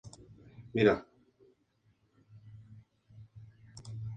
Estudió en Girton College en la Universidad de Cambridge.